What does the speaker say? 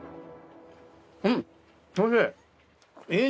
うん、おいしい。